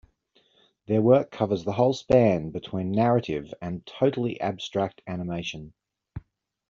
Their work covers the whole span between narrative and totally abstract animation.